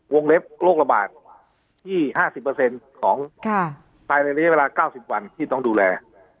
เล็บโรคระบาดที่๕๐ของภายในระยะเวลา๙๐วันที่ต้องดูแล